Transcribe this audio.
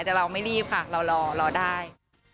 แต่เราไม่รีบค่ะเรารอได้